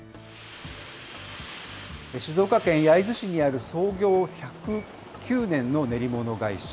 静岡県焼津市にある創業１０９年の練り物会社。